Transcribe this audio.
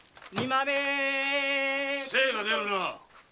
精が出るな。